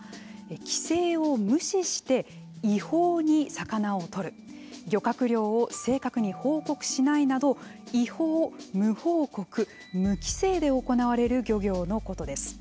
規制を無視して違法に魚を取る漁獲量を正確に報告しないなど違法、無報告、無規制で行われる漁業のことです。